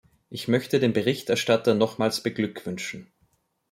Ich möchte den Berichterstatter nochmals beglückwünschen.